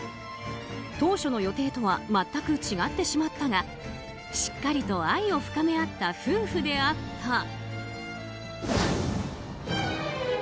当初の予定とは全く違ってしまったがしっかりと愛を深め合った夫婦であった。